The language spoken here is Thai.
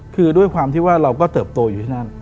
คือด้วยความที่ว่าเราก็เติบโตอยู่ที่นั่น